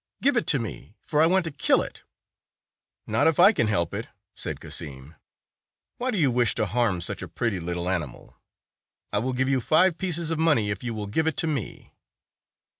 Give it to me, for I want to kill it." "Not if I can help it," said Cassim. "Why do you wish to harm such a pretty little animal ? I will give you five pieces of money if you will give it to me."